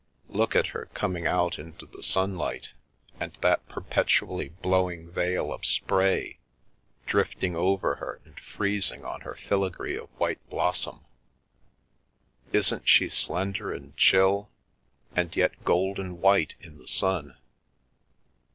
Look at her coming out into the sunlight, and that perpetually blow ing veil of spray drifting over her and freezing on her filigree of white blossom. Isn't she slender and chill, and yet golden white in the sun